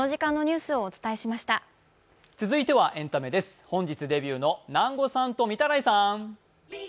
続いてはエンタメです、本日デビューの南後さんと御手洗さん。